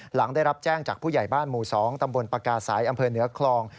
หลังได้รับแจ้งจากผู้ใหญ่บ้านหมู่๒ตำบลปากาศัยอำเภอเหนือคลอง